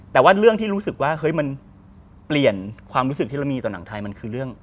แต่ว่าเรื่องที่รู้สึกว่าเฮ้ยมันเปลี่ยนความรู้สึกที่เรามีต่อหนังไทยมันคือเรื่อง